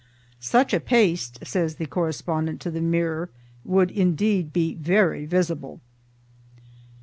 "Such a paste," says the correspondent to the Mirror, "would indeed be very visible."